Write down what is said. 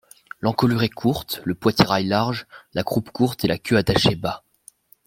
L'encolure est courte, le poitrail large, la croupe courte et la queue attachée bas.